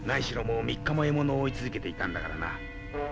もう３日も獲物を追い続けていたんだからな。